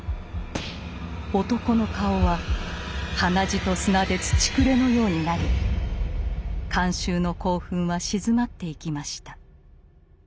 男の顔は鼻血と砂で「土くれ」のようになり観衆の興奮はしずまっていきました。